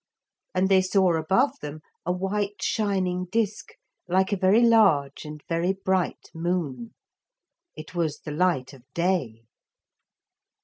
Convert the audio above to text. And they saw above them a white shining disk like a very large and very bright moon. It was the light of day.